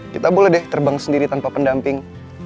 kita boleh deh terbang sendiri tanpa pendamping